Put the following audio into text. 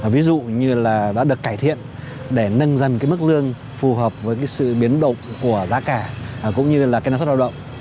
ví dụ như là đã được cải thiện để nâng dâng mức lương phù hợp với sự biến động của giá cả cũng như là năng suất lao động